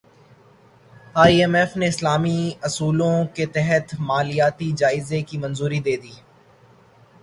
ائی M F نے اسلامی اصولوں کے تحت مالیاتی جائزے کی منظوری دے دی